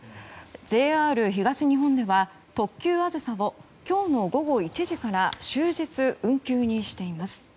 ＪＲ東日本では特急「あずさ」を今日の午後１時から終日運休にしています。